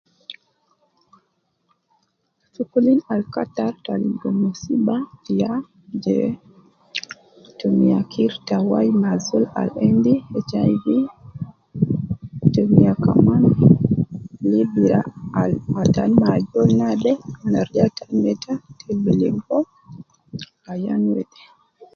Sokolin al kattar te ligo muswiba ya je tumiya kirta wai me azol al endi HIV, tumiya kaman libira al ayan ma ajol naade ma arija ayan meta te bi ligo ayan wede